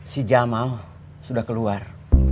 si jamal sudah keluar